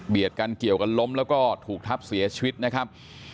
กันเกี่ยวกันล้มแล้วก็ถูกทับเสียชีวิตนะครับ